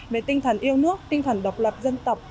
về tinh thần yêu nước tinh thần độc lập